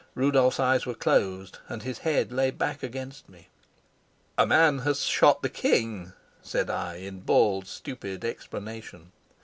Rudolf's eyes were closed and his head lay back against me. "A man has shot the king," said I, in bald, stupid explanation.